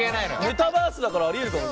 メタバースだからあり得るかも。